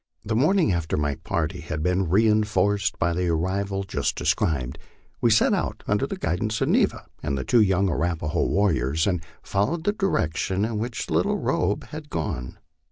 The morning after my party had been reinforced by the arrival just de scribed, we set out under guidance of Neva and the two young Arapaho war riors, and followed the direction in which Little Robe had gone.